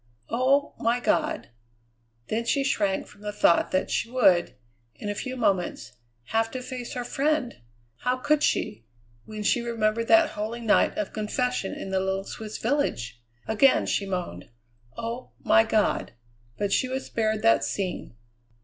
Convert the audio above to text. Oh, my God!" Then she shrank from the thought that she would, in a few moments, have to face her friend! How could she, when she remembered that holy night of confession in the little Swiss village? Again she moaned, "Oh! my God!" But she was spared that scene.